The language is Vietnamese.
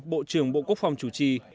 bộ trưởng bộ quốc phòng chủ trì